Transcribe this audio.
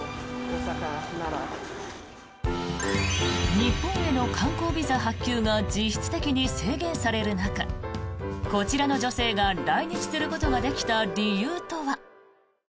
日本への観光ビザ発給が実質的に制限される中こちらの女性が来日することができた理由とは。